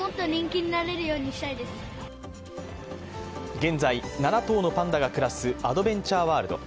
現在、７頭のパンダが暮らすアドベンチャーワールド。